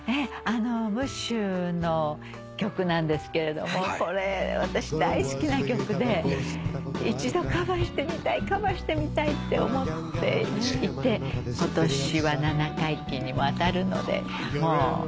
ムッシュの曲なんですけれどもこれ私大好きな曲で一度カバーしてみたいって思っていて今年は７回忌にも当たるのでもういっか！